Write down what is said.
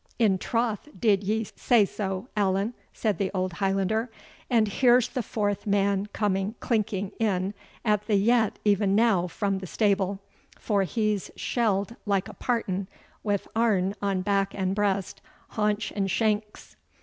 "In troth did ye say sae, Allan," said the old Highlander, "and here's the fourth man coming clinking in at the yett e'en now from the stable, for he's shelled like a partan, wi' airn on back and breast, haunch and shanks.